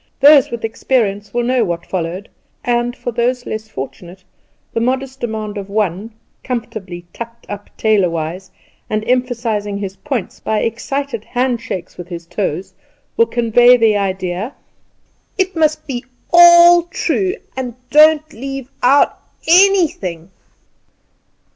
Those with experience will know what followed; and, for those less fortunate, the modest demand of one, comfortably tucked up tailorwise, and emphasising his points by excited hand shakes with his toes, will convey the idea: "It must be all true! and don't leave out anything!"